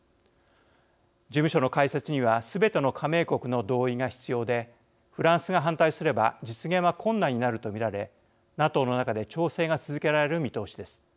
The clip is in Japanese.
事務所の開設にはすべての加盟国の同意が必要でフランスが反対すれば実現は困難になると見られＮＡＴＯの中で調整が続けられる見通しです。